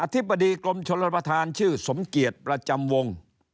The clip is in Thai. ธิบดีกรมชนประธานชื่อสมเกียจประจำวง